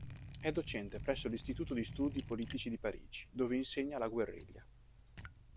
È docente presso l'Istituto di Studi Politici di Parigi, dove insegna la guerriglia.